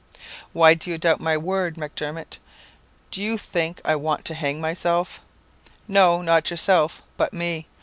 "'Why do you doubt my word, Macdermot? Do you think I want to hang myself?' "'No, not yourself, but me.